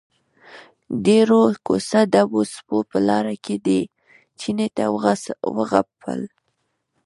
ډېرو کوڅه ډبو سپو په لاره کې دې چیني ته وغپل.